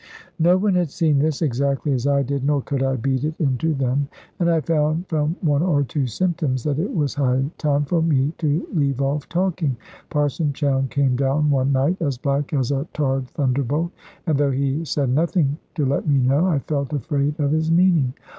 No one had seen this, exactly as I did, nor could I beat it into them; and I found from one or two symptoms that it was high time for me to leave off talking. Parson Chowne came down one night, as black as a tarred thunderbolt, and though he said nothing to let me know, I felt afraid of his meaning.